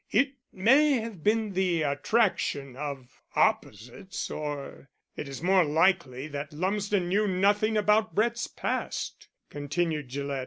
"It may have been the attraction of opposites, or, it is more likely that Lumsden knew nothing about Brett's past," continued Gillett.